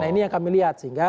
nah ini yang kami lihat sehingga